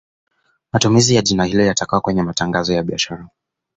Matumizi ya jina hilo yatakuwa kwenye matangazo ya biashara